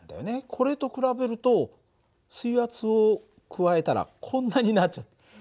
これと比べると水圧を加えたらこんなになっちゃった。